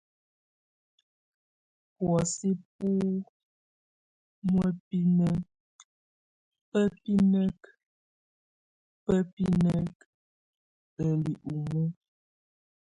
Buɔ́sɛ bo muebinek, bá binekek, bá binekek, a li umue.